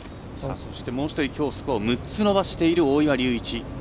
もう１人、きょうスコアを６つ伸ばしている大岩龍一。